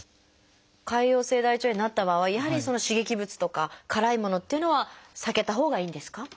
潰瘍性大腸炎になった場合やはり刺激物とか辛いものというのは避けたほうがいいんですか？